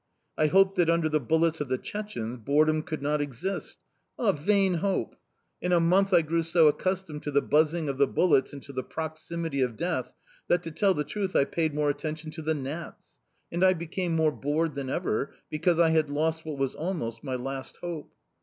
I hoped that under the bullets of the Chechenes boredom could not exist a vain hope! In a month I grew so accustomed to the buzzing of the bullets and to the proximity of death that, to tell the truth, I paid more attention to the gnats and I became more bored than ever, because I had lost what was almost my last hope.